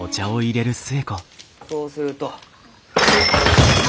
そうすると。